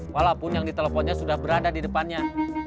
walaupun yang diteleponnya sudah berada di depannya